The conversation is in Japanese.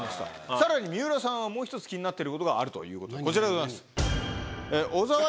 さらに三浦さんはもう１つ気になってることがあるとこちらでございます！